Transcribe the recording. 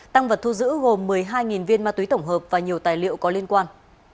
tăng vật thu giữ gồm một mươi hai viên ma túy tổng hợp và nhiều tài liệu có liên quan